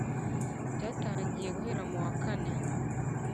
byatangiye guhera mu wa kane